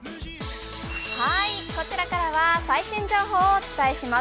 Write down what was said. こちらからは最新情報をお伝えします。